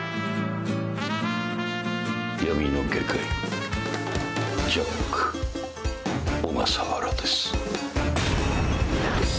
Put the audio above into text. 闇の外科医ジャック小笠原です。